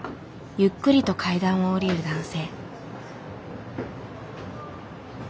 ゆっくりと階段を下りる男性。